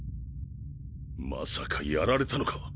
まさかやられたのか。